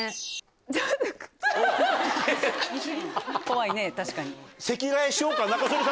怖いね確かに。